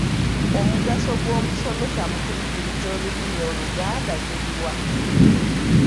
Omugaso gw’omusomesa mu kuyigiriza olulimi Oluganda guli wa?